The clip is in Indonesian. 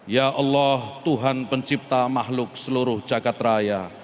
ya allah tuhan pencipta makhluk seluruh jagad raya